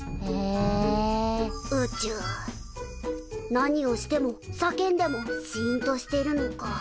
何をしてもさけんでもシーンとしてるのか。